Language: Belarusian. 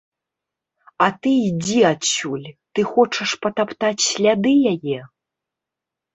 А ты ідзі адсюль, ты хочаш патаптаць сляды яе.